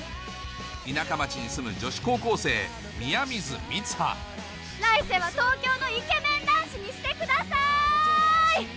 田舎町に住む女子高校生来世は東京のイケメン男子にしてください！